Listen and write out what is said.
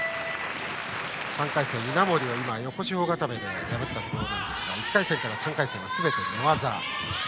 ３回戦稲森を横四方固めで破ったところでしたが１回戦から３回戦はすべて寝技。